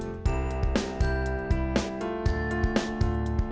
aduh aduh aduh aduh